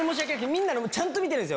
みんなのちゃんと見てるんです。